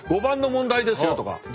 ５番の問題ですよ」とか